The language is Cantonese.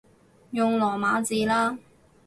用羅馬字啦